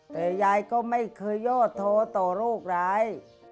แต่ยายก็ไม่เคยยอดโทต่อโรคร้าย